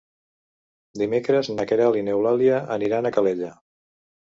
Dimecres na Queralt i n'Eulàlia aniran a Calella.